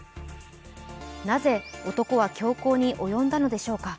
なぜ男は凶行に及んだのでしょうか。